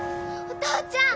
お父ちゃん！